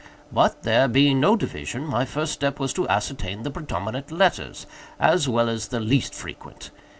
But, there being no division, my first step was to ascertain the predominant letters, as well as the least frequent.